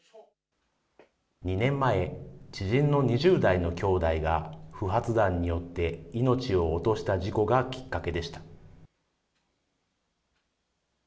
２年前、知人の２０代の兄弟が、不発弾によって命を落とした事故がきっかけでした。